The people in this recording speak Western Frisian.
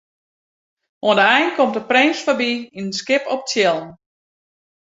Oan de ein komt de prins foarby yn in skip op tsjillen.